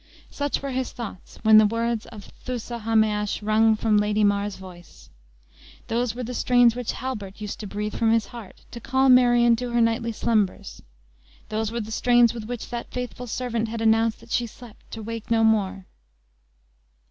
Such were his thoughts when the words of Thusa ha measg rung from Lady Mar's voice. Those were the strains which Halbert used to breathe from his heart to call Marion to her nightly slumbers those were the strains with which that faithful servant had announced that she slept to wake no more!